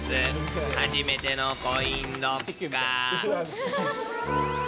初めてのコインロッカー。